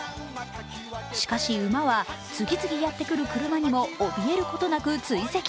しかし、馬は次々やってくる車にもおびえることなく追跡。